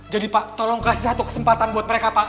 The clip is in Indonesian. jadi pak tolong kasih satu kesempatan buat mereka pak